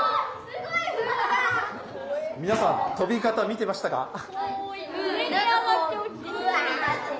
みなさん飛び方見てましたか？